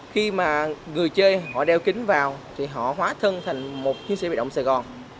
khi mà người chơi họ đeo kính vào thì họ hóa thân thành một chiến sĩ bị động sài gòn